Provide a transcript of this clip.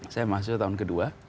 saya mahasiswa tahun ke dua